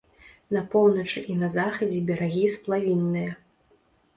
На поўначы і на захадзе берагі сплавінныя.